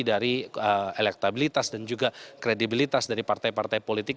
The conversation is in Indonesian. dari elektabilitas dan juga kredibilitas dari partai partai politik